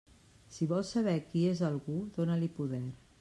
Si vols saber qui és algú, dóna-li poder.